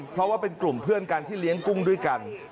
เพราะว่าเป็นกลุ่มเพื่อนกันที่เลี้ยงกุ้งด้วยกัน